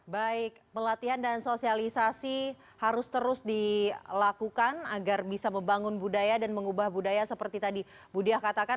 baik pelatihan dan sosialisasi harus terus dilakukan agar bisa membangun budaya dan mengubah budaya seperti tadi bu diah katakan